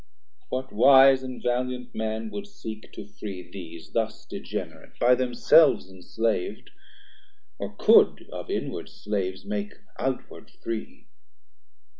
What wise and valiant man would seek to free These thus degenerate, by themselves enslav'd, Or could of inward slaves make outward free?